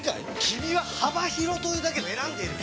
君は幅広というだけで選んでいる！